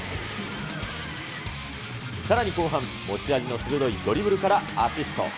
さらに後半、持ち味の鋭いドリブルからアシスト。